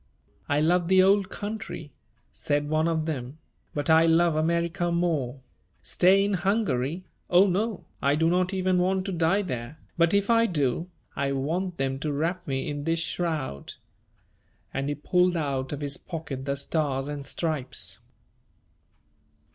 "I love the old country," said one of them, "but I love America more. Stay in Hungary? Oh, no! I do not even want to die there, but if I do, I want them to wrap me in this shroud," and he pulled out of his pocket the Stars and Stripes.